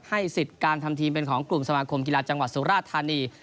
สิทธิ์การทำทีมเป็นของกลุ่มสมาคมกีฬาจังหวัดสุราธานี